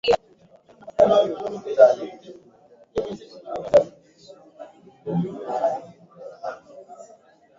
Yanatendeka kufuatana na kawaida na taratibu maalumu zilizokubaliwa